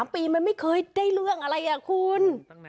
๓ปีมันไม่เคยได้เรื่องอะไรคุณ